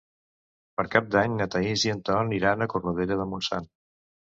Per Cap d'Any na Thaís i en Ton iran a Cornudella de Montsant.